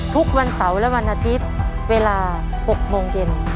ทุกวันเสาร์และวันอาทิตย์เวลา๖โมงเย็น